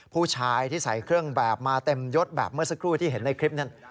ผู้ชายที่ใส่เครื่องแบบมาเต็มยดแบบเมื่อสักครู่ที่เห็นในคลิปนั้น